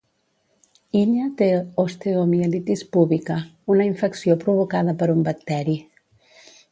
Illa té osteomielitis púbica, una infecció provocada per un bacteri.